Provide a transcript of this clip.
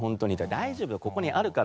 「大丈夫だよここにあるから」